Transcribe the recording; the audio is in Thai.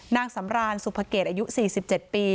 นางสำรานสุภเกตอายุ๔๗ปี